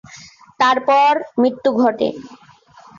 তারপর এর মৃত্যু ঘটে।